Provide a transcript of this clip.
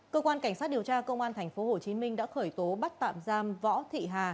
cơ quan cảnh sát điều tra công an tp hcm đã khởi tố bắt tạm giam võ thị hà